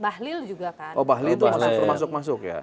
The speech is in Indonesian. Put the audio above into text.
bahlil juga kan bahlil itu masuk masuk ya